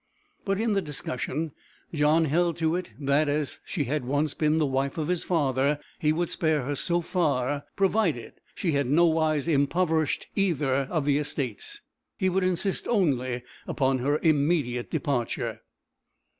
But in the discussion, John held to it that, as she had once been the wife of his father, he would spare her so far provided she had nowise impoverished either of the estates. He would insist only upon her immediate departure.